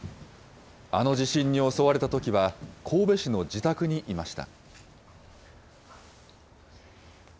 あの地震に襲われたときは、神戸市の自宅にいました。